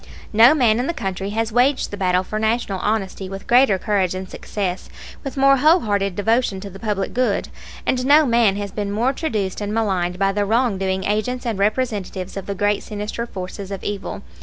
No man in the country has waged the battle for National honesty with greater courage and success, with more whole hearted devotion to the public good; and no man has been more traduced and maligned by the wrong doing agents and representatives of the great sinister forces of evil.